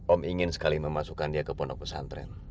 om ingin sekali memasukkan dia ke pondok pesantren